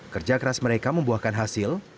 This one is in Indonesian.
kerja keras mereka membuahkan hasil